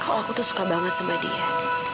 kok aku tuh suka banget sama dia